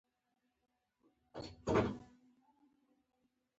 له اکا سره مې د کور په جوړولو کښې يو څه مرسته وکړه.